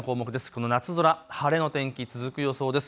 この夏空、晴れの天気、続く予想です。